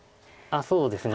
そうですね。